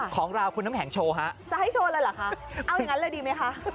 ของเราคุณน้ำแข็งโชว์ฮะจะให้โชว์เลยเหรอคะเอาอย่างนั้นเลยดีไหมคะ